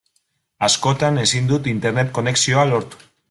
Askotan ezin dut Internet konexioa lortu.